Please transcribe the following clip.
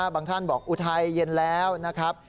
ท่านบอกอุทัยเย็นแล้วนะครับ